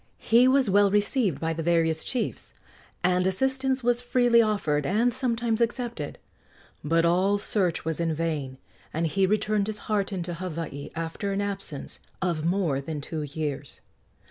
He was well received by the various chiefs, and assistance was freely offered and sometimes accepted; but all search was in vain, and he returned disheartened to Hawaii after an absence of more than two years.